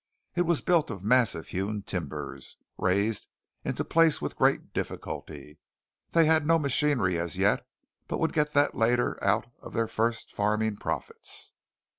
It was built of massive hewn timbers, raised into place with great difficulty. They had no machinery as yet, but would get that later out of their first farming profits.